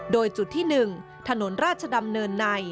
โดยจุดที่๑ถนนราชดำเนินใน